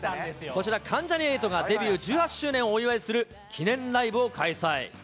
こちら、関ジャニ∞がデビュー１８周年をお祝いする記念ライブを開催。